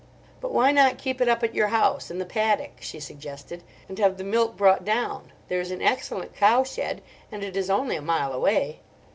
"But why not keep it up at your house, in the paddock," she suggested, "and have the milk brought down? There is an excellent cowshed, and it is only a mile away."